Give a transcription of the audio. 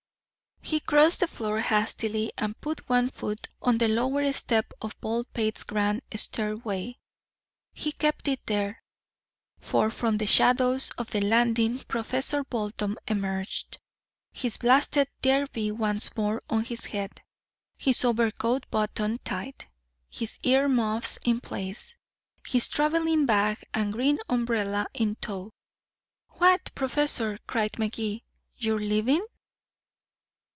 He crossed the floor hastily, and put one foot on the lower step of Baldpate's grand stairway. He kept it there. For from the shadows of the landing Professor Bolton emerged, his blasted derby once more on his head, his overcoat buttoned tight, his ear muffs in place, his traveling bag and green umbrella in tow. "What, Professor," cried Magee, "you're leaving?"